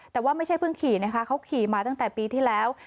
แต่ว่าไม่ใช่เพิ่งขี่นะคะเขาขี่มาตั้งแต่ปีที่แล้ว